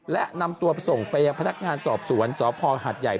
และนำตัวส่งไปยังพนักงานสอบสวนสพหัดใหญ่